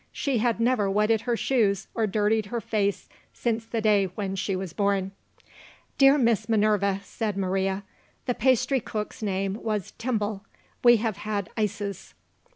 she had never wetted her shoes or dirtied her face since the day when she was born. "Dear Miss Minerva," said Maria, "the pastry cook's name was Timbal. We have had ices."